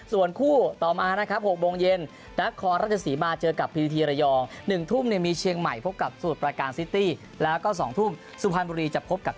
ส่วนฟุตซอสไทยลีกส์๒๐๑๙นะครับ